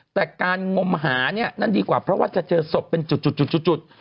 แต่การงมหาเนี่ยนั่นดีกว่าเพราะว่าจะเจอศพเป็นจุด